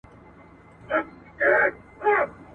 سمدستي یې کړه ور ږغ چي انډیواله.